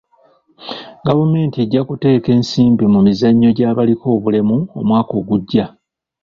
Gavumenti ejja kuteeka ensimbi mu mizannyo gy'abaliko obulemu omwaka ogujja.